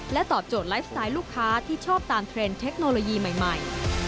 ตอบโจทย์ไลฟ์สไตล์ลูกค้าที่ชอบตามเทรนด์เทคโนโลยีใหม่